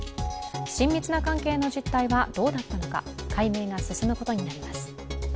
親密な関係の実態はどうだったのか、解明が進むことになります。